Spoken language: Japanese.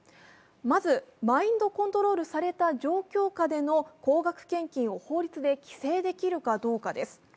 まず、マインドコントロールされた状況下での高額献金を法律で規制できるかどうかです。